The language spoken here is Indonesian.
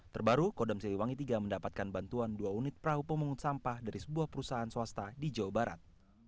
terbaru kodam siliwangi iii mendapatkan bantuan dua unit perahu pemungut sampah dari sebuah perusahaan swasta di jawa barat